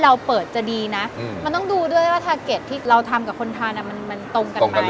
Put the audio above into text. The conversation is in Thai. เราเปิดจะดีน่ะอืมมันต้องดูด้วยว่าทาร์เกตที่เราทำกับคนทาน่ะมันมันตรงกันหรือเปล่า